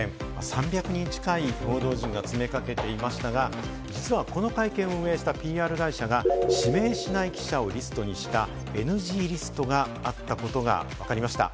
３００人近い報道陣が詰めかけていましたが、実はこの会見を運営したＰＲ会社が指名しない記者をリストにしたＮＧリストがあったことがわかりました。